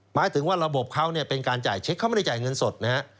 หมายถึงว่าระบบเขาเนี่ยเป็นการจ่ายเช็คเขาไม่ได้จ่ายเงินสดนะฮะ